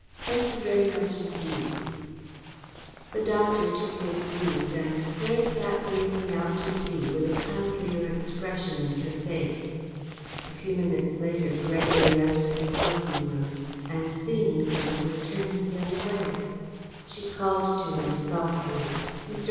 "Thank you very much indeed." The doctor took his leave and Claire sat gazing out to sea with a kindlier expression in her face. A few minutes later, Gregory left the smoking room, and, seeing her, was turning the other way. She called to him softly. "Mr.